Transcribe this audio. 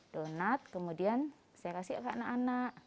donat kemudian saya kasih ke anak anak